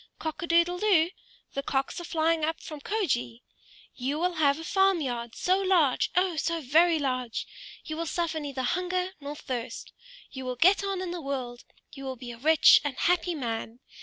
Cock a doodle doo! The cocks are flying up from Kjoge! You will have a farm yard, so large, oh! so very large! You will suffer neither hunger nor thirst! You will get on in the world! You will be a rich and happy man!